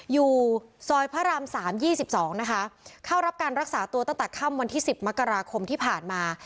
อยู่ซอยพระรามสามยี่สิบสองนะคะเข้ารับการรักษาตัวตั้งแต่ค่ำวันที่สิบมกราคมที่ผ่านมา